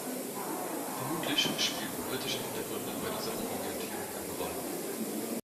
Vermutlich spielten politische Hintergründe bei dieser Umorientierung eine Rolle.